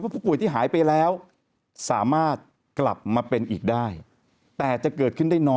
ว่าผู้ป่วยที่หายไปแล้วสามารถกลับมาเป็นอีกได้